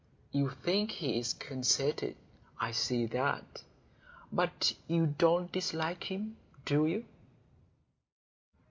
You think he is conceited, I see that. But you don't dislike him, do you?"